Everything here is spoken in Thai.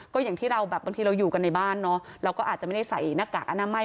ก็อย่างที่เราแบบบางทีเราอยู่กันในบ้านเนอะเราก็อาจจะไม่ได้ใส่หน้ากากอนามัย